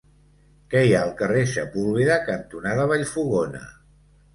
Què hi ha al carrer Sepúlveda cantonada Vallfogona?